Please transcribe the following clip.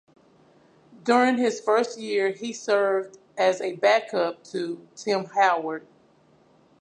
During his first year he served as a backup to Tim Howard.